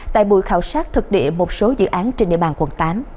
tại buổi khảo sát thực địa một số dự án trên địa bàn quận tám